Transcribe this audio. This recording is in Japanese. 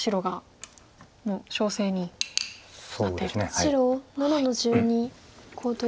白７の十二コウ取り。